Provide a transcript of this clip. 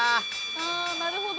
ああなるほど。